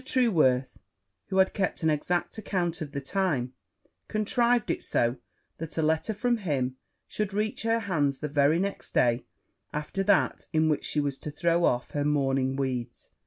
Trueworth, who had kept an exact account of the time, contrived it so that a letter from him should reach her hands the very next day after that in which she was to throw off her mourning weeds.